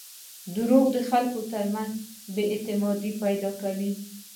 • دروغ د خلکو ترمنځ بېاعتمادي پیدا کوي.